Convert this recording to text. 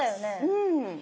うん。